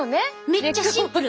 めっちゃシンプル。